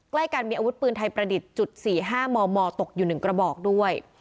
ใกล้กันมีอาวุธปืนไทยประดิษฐ์จุด๔๕มมตกอยู่๑กระบอกด้วย